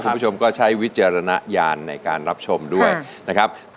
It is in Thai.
คุณผู้ชมก็ใช้วิจารณญาณในการรับชมด้วยนะครับ